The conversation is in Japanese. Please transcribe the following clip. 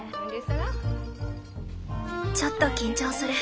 ちょっと緊張する。